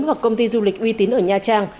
hoặc công ty du lịch uy tín ở nha trang